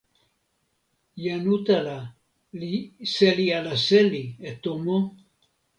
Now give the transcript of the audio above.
jan utala li seli ala seli e tomo?